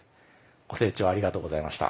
ご清聴ありがとうございました。